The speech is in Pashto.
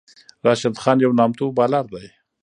راشد خان یو نامتو بالر دئ.